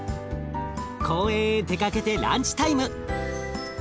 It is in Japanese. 公園へ出かけてランチタイム。